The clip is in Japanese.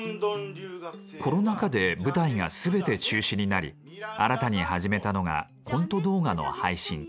コロナ禍で舞台が全て中止になり新たに始めたのがコント動画の配信。